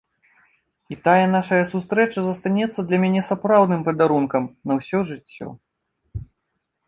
І тая нашая сустрэча застанецца для мяне сапраўдным падарункам на ўсё жыццё.